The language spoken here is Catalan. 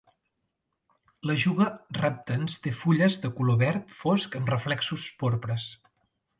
L'Ajuga reptans té fulles de color verd fosc amb reflexos porpres.